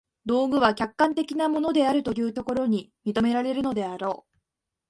道具は客観的なものであるというところに認められるであろう。